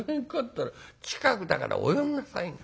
ったら『近くだからお寄んなさいな』。